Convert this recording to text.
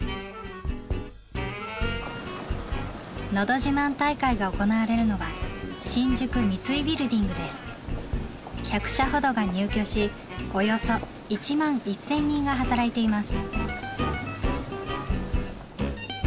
のど自慢大会が行われるのは１００社ほどが入居しおよそ１万１，０００人が働いています。